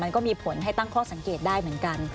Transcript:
มันก็มีผลให้ตั้งข้อสังเกตได้เหมือนกัน